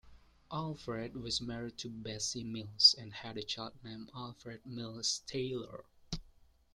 Alfred was married to Bessie Mills and had a child named Alfred Mills Taylor.